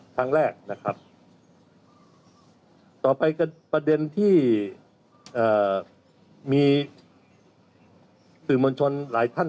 ครั้งแรกนะครับต่อไปก็ประเด็นที่มีสื่อมวลชนหลายท่าน